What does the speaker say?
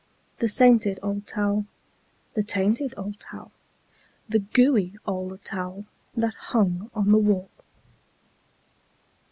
The sainted old towel, the tainted old towel, The gooey old towel that hung on the wall.